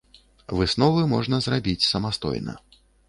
Высновы можна зрабіць самастойна.